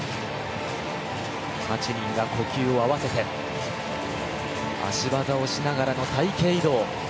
８人が呼吸を合わせて脚技をしながらの隊形移動。